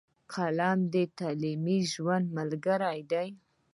قلم د تعلیمي ژوند ملګری دی.